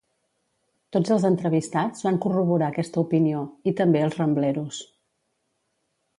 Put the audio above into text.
Tots els entrevistats van corroborar aquesta opinió, i també els Rambleros.